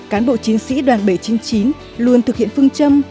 cán bộ chiến sĩ đoàn b bảy mươi chín luôn thực hiện phương châm